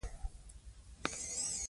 که میندې انټرنیټ ولري نو نړۍ به لرې نه وي.